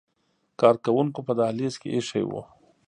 کارکوونکو په دهلیز کې ایښي وو.